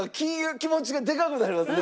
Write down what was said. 気持ちがでかくなりますね。